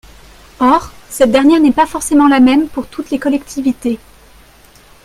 Or cette dernière n’est pas forcément la même pour toutes les collectivités.